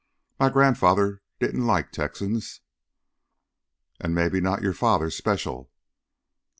My grandfather didn't like Texans." "An' maybe not your father, special?"